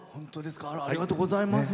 ありがとうございます。